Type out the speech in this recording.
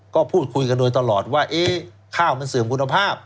ก็พูดคุยกันโดยตลอดว่าข้าวมันเสื่อมคุณภาพ